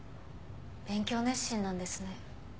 勉強熱心なんですね。